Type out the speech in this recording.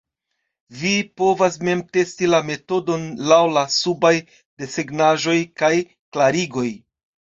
Vi povas mem testi la metodon laŭ la subaj desegnaĵoj kaj klarigoj.